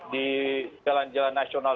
di jalan jalan nasional